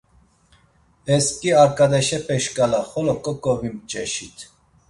Esǩi aǩadaşepe şǩala xolo koǩovimç̌eşit.